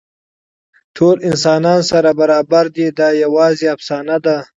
ټول انسانان سره برابر دي، دا یواځې افسانه ده.